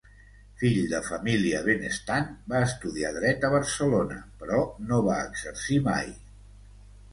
Fill de família benestant, va estudiar Dret a Barcelona, però no va exercir mai.